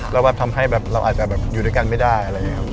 แล้วทำให้เราอาจจะอยู่ด้วยกันไม่ได้